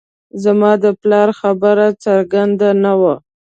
زما د پلار خبره څرګنده نه وه